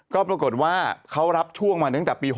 ก็ปรากฏว่าเขารับช่วงมาตั้งแต่ปี๖๐